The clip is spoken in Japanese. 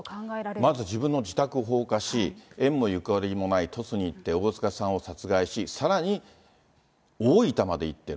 まず自分の自宅を放火し、縁もゆかりもない鳥栖に行って、大塚さんを殺害し、さらに大分まで行ってる。